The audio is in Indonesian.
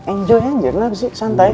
enjoy aja gak sih santai